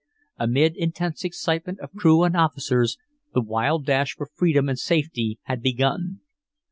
Amid intense excitement of crew and officers, the wild dash for freedom and safety had begun.